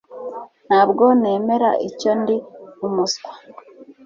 Ntabwo nemera icyo ndi umuswa